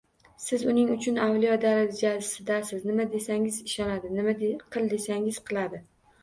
Siz – uning uchun avliyo darajasidasiz, nima desangiz ishonadi, nima qil desangiz qiladi.